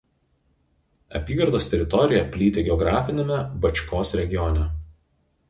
Apygardos teritorija plyti geografiniame Bačkos regione.